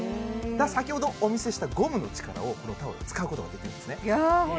先ほどお見せしたゴムの力をこのタオルで使うことができるんですね